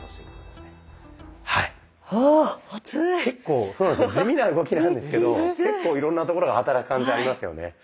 結構そうなんですよ地味な動きなんですけど結構いろんなところが働く感じありますよね。